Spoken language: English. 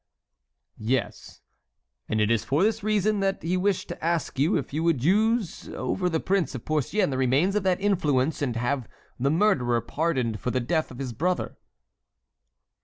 "Yes, and it is for this reason that he wished to ask you if you would use over the Prince of Porcian the remains of that influence and have the murderer pardoned for the death of his brother."